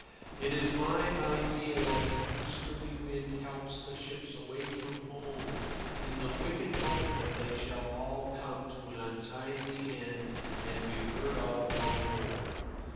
It is my idea that the Easterly Wind helps the ships away from home in the wicked hope that they shall all come to an untimely end and be heard of no more.